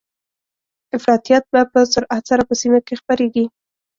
افراطيت به په سرعت سره په سیمه کې خپریږي